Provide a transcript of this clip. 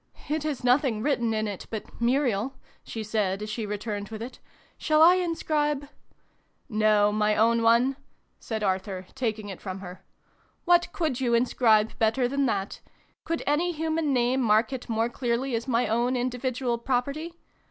"It has nothing written in it but ' Muriel,' " she said as she returned with it :" shall I inscribe " No, my own one," said Arthur, taking it from her. '' What could you inscribe better than that ? Could any human name mark it more clearly as my own individual property